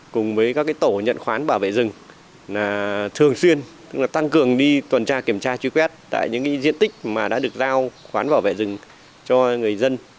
cùng với các tổ nhận khoán bảo vệ rừng thường xuyên tức là tăng cường đi tuần tra kiểm tra truy quét tại những diện tích mà đã được giao khoán bảo vệ rừng cho người dân